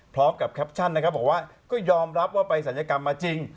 แคปชั่นนะครับบอกว่าก็ยอมรับว่าไปศัลยกรรมมาจริง